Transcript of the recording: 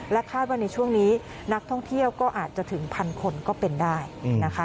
คาดว่าในช่วงนี้นักท่องเที่ยวก็อาจจะถึงพันคนก็เป็นได้นะคะ